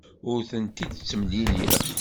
Ur tent-id-ttemlileɣ.